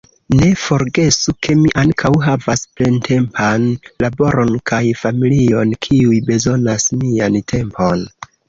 Ne forgesu ke mi ankaŭ havas plentempan laboron kaj familion, kiuj bezonas mian tempon.